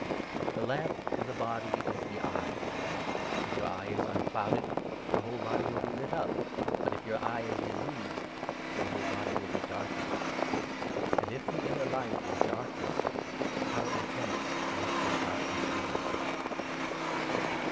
The lamp of the body is 22 Light ana the eye. If your eye is unclouded, your whole body Darkness, will be lit up ; but, if your eye is diseased, your 23 whole body will be darkened. And, if the inner light is darkness, how intense must that darkness be